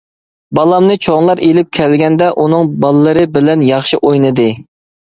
بالامنى چوڭلار ئىلىپ كەلگەندە ئۇنىڭ باللىرى بىلەن ياخشى ئوينىدى.